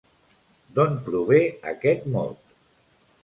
D'on prové aquest mot?